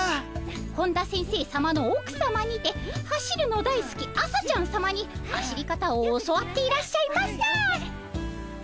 本田先生さまの奥さまにて走るのだいすき朝ちゃんさまに走り方を教わっていらっしゃいました。